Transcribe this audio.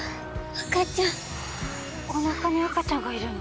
赤ちゃんおなかに赤ちゃんがいるの？